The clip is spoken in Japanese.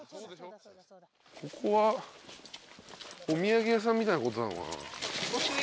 ここはお土産屋さんみたいなことなのかな？